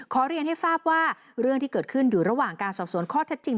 เรียนให้ทราบว่าเรื่องที่เกิดขึ้นอยู่ระหว่างการสอบสวนข้อเท็จจริง